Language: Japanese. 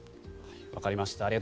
わかりました。